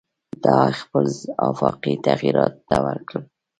دا خپل ځای آفاقي تغییراتو ته ورکړ.